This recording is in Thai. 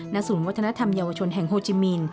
ศูนย์วัฒนธรรมเยาวชนแห่งโฮจิมิน